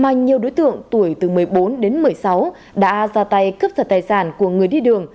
mà nhiều đối tượng tuổi từ một mươi bốn đến một mươi sáu đã ra tay cướp giật tài sản của người đi đường